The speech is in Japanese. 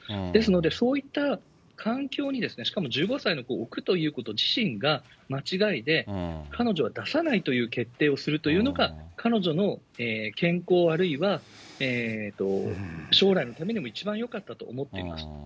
ですので、そういった環境に、しかも１５歳の子を置くということ自身が間違いで、彼女は出さないという決定をするというのが、彼女の健康、あるいは将来のためにも一番よかったと思っています。